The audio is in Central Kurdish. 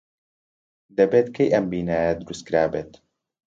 دەبێت کەی ئەم بینایە دروست کرابێت.